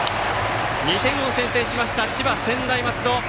２点を先制しました千葉・専大松戸！